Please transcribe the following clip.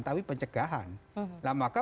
tapi pencegahan nah maka